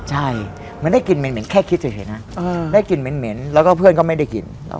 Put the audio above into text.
ใช่มันได้กลิ่นเหม็นแค่คิดเฉยนะได้กลิ่นเหม็นแล้วก็เพื่อนก็ไม่ได้กิน